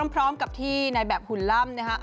พร้อมกับที่ในแบบหุ่นล่ำนะฮะ